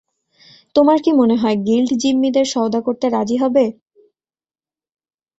তোমার কি মনে হয় গিল্ড জিম্মিদের সওদা করতে রাজি হবে?